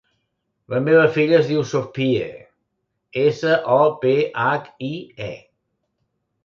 La meva filla es diu Sophie: essa, o, pe, hac, i, e.